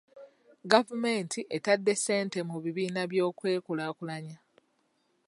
Gavumenti etadde ssente mu bibiina by'okwekulaakulanya.